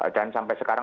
dan sampai sekarang